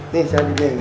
nih si adit aja